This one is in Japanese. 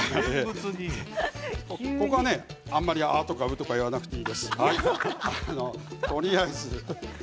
ここはあまり、あーとかうーとか言わなくていいです。